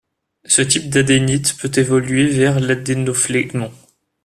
Ce type d'adénite peut évoluer vers l'adénophlégmon.